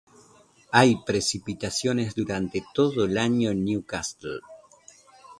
Hay precipitaciones durante todo el año en Newcastle.